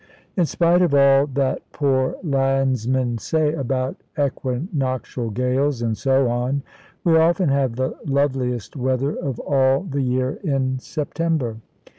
In spite of all that poor landsmen say about equinoctial gales and so on, we often have the loveliest weather of all the year in September.